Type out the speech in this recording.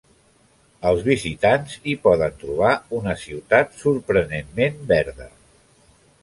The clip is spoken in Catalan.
Els visitants hi poden trobar una ciutat sorprenentment verda.